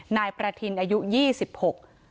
นายประทินอายุยี่สิบหก